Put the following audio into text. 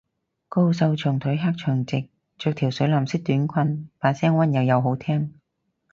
高瘦長腿黑長直，着條水藍色短裙，把聲溫柔又好聽